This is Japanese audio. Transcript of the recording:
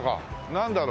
なんだろう？